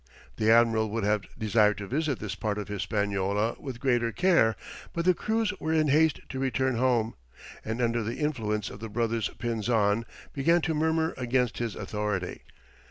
The admiral would have desired to visit this part of Hispaniola with greater care, but the crews were in haste to return home, and under the influence of the brothers Pinzon, began to murmur against his authority.